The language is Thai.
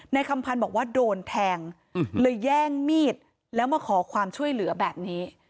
คำพันธ์บอกว่าโดนแทงเลยแย่งมีดแล้วมาขอความช่วยเหลือแบบนี้